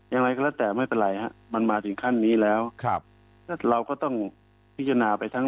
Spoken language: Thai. อย่างไรก็แล้วแต่ไม่เป็นไรฮะมันมาถึงขั้นนี้แล้วครับเราก็ต้องพิจารณาไปทั้ง